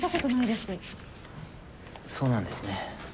そうなんですね。